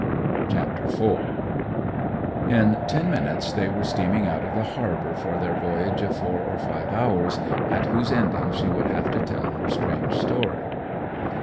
CHAPTER IV In ten minutes they were steaming out of the harbour for their voyage of four or five hours, at whose ending she would have to tell her strange story.